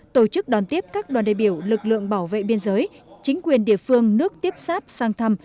tổ chức đón tiếp các đoàn đề biểu lực lượng bảo vệ biên giới chính quyền địa phương nước tiếp sáp sang thăm